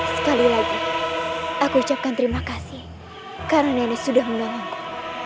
sekali lagi aku ucapkan terima kasih karena ini sudah menolongku